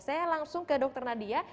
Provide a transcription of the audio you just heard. saya langsung ke dr nadia